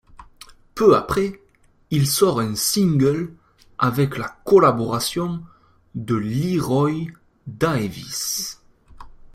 Peu après, il sort un single avec la collaboration de Leeroy Daevis.